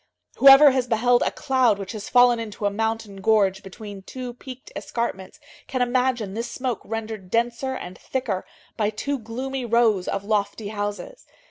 Whoever has beheld a cloud which has fallen into a mountain gorge between two peaked escarpments can imagine this smoke rendered denser and thicker by two gloomy rows of lofty houses.